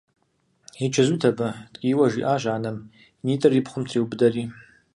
И чэзут абы?! – ткӀийуэ жиӀащ анэм, и нитӀыр и пхъум триубыдэри.